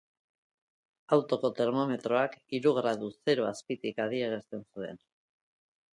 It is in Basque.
Autoko termometroak hiru gradu zero azpitik adierazten zuen.